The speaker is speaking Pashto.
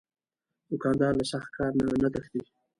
دوکاندار له سخت کار نه نه تښتي.